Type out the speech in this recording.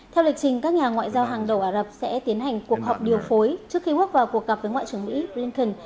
theo lịch trình các nhà ngoại giao hàng đầu ả rập sẽ tiến hành cuộc họp điều phối trước khi bước vào cuộc gặp với ngoại trưởng mỹ blinken